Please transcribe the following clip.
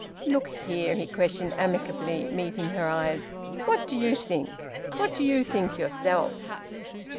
"Look here," he questioned amicably, meeting her eyes, "what do you think? What do you think yourself?"